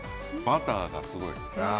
バターがすごい。